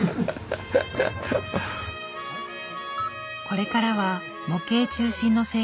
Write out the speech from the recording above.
これからは模型中心の生活。